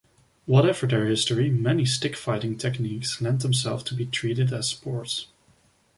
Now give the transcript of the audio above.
Whatever their history, many stick-fighting techniques lend themselves to being treated as sports.